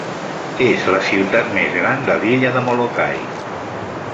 És la ciutat més gran de l'illa de Molokai.